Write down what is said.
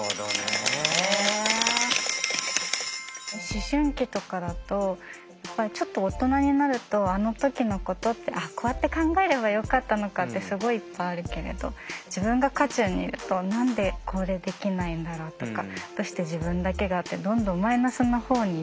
思春期とかだとちょっと大人になるとあの時のことってああこうやって考えればよかったのかってすごいいっぱいあるけれど自分が渦中にいると何でこれできないんだろうとかどうして自分だけがってどんどんマイナスの方に行っちゃいますよね。